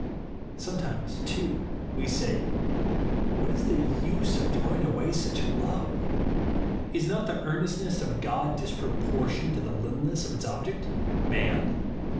Sometimes, too» we say, What is the use of throwing away such love ? Is not the earnestness of God disproportioned to the littleness of its ob ject, — man?